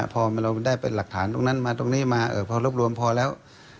พอเราได้เป็นหลักฐานตรงนั้นมาตรงนี้มาพอรวบรวมพอแล้ว